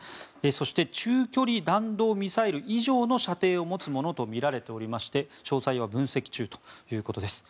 そして中距離弾道ミサイル以上の射程を持つものとみられていまして詳細は分析中ということです。